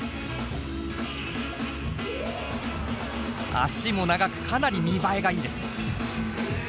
脚も長くかなり見栄えがいいです。